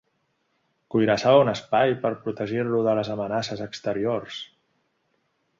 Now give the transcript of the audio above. Cuirassava un espai per protegir-lo de les amenaces exteriors.